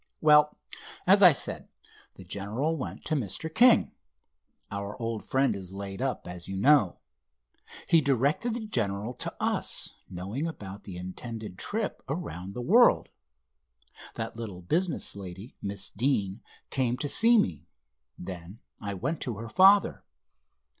Well, as I said, the General went to Mr. King. Our old friend is laid up, as you know. He directed the general to us, knowing about the intended trip around the world. That little business lady, Miss Deane, came to see me. Then I went to her father."